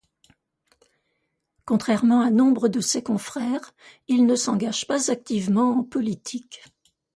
Contrairement à nombre de ses confrères, il ne s’engage pas activement en politique.